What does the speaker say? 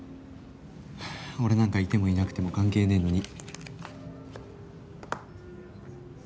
俺なんかいてもいなくても関係ねぇのに。